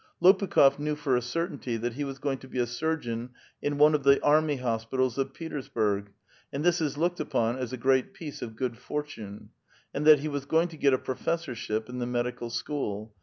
Lopukh6f knew for a certainty that he was going to be a surgeon in one of the army hospitals of Petersburg, and this is looked upon as a great piece of good fortune ; and that he was going to get a professorship in the medical school.